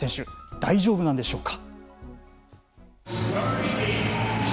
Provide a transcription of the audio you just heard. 大丈夫なんでしょうか。